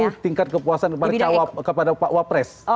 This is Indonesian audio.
itu tingkat kepuasan kepada pak wapres